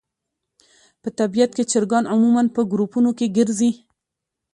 په طبیعت کې چرګان عموماً په ګروپونو کې ګرځي.